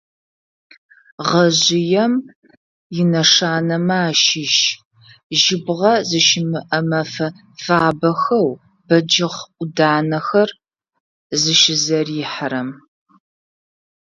Гъэжъыем инэшанэмэ ащыщ жьыбгъэ зыщымыӏэ мэфэ фабэхэу бэджыхъ ӏуданэхэр зыщызэрихьэрэм.